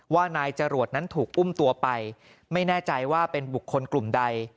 ว่านายจรวดนั้นถูกอุ้มตัวไปไม่แน่ใจว่าเป็นบุคคลกลุ่มใด